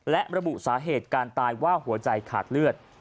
และระบุสาเหตุการตายว่าหัวใจขาดเลือด